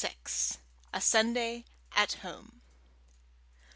A SUNDAY AT HOME.